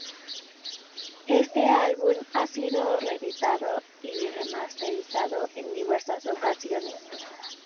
Este álbum ha sido reeditado y remasterizado en diversas ocasiones.